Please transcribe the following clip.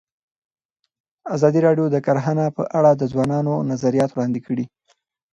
ازادي راډیو د کرهنه په اړه د ځوانانو نظریات وړاندې کړي.